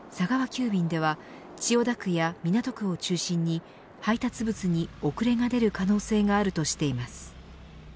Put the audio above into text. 急便では千代田区や港区を中心に配達物に遅れが出る可能性があるとしています。